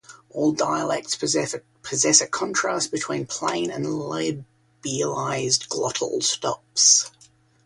All dialects possess a contrast between plain and labialized glottal stops.